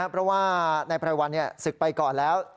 เพราะว่านายไพรวัลศึกไปก่อนแล้ว